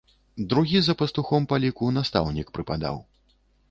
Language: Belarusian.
Другі за пастухом па ліку настаўнік прыпадаў.